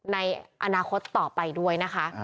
ในอนาคตต่อไปด้วย